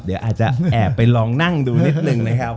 เดี๋ยวอาจจะแอบไปลองนั่งดูนิดนึงนะครับ